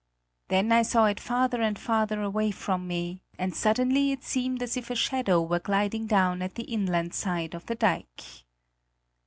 Then I saw it farther and farther away from me, and suddenly it seemed as if a shadow were gliding down at the inland side of the dike.